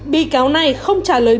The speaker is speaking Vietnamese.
bị cáo này không trả lời bệnh